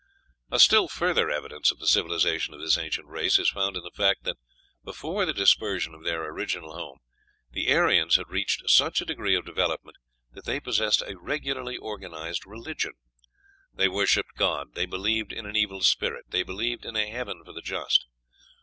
A still further evidence of the civilization of this ancient race is found in the fact that, before the dispersion from their original home, the Aryans had reached such a degree of development that they possessed a regularly organized religion: they worshipped God, they believed in an evil spirit, they believed in a heaven for the just.